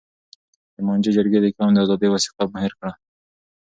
د مانجې جرګې د قوم د آزادۍ وثیقه مهر کړه.